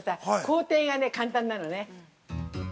工程が簡単なのね。